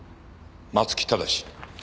松木正。